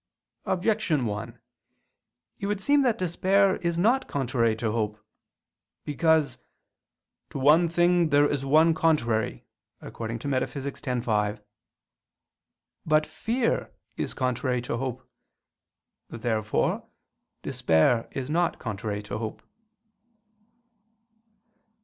Objection 1: It would seem that despair is not contrary to hope. Because "to one thing there is one contrary" (Metaph. x, 5). But fear is contrary to hope. Therefore despair is not contrary to hope.